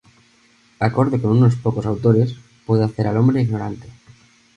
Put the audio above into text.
Acorde con unos pocos autores, puede hacer al hombre ignorante.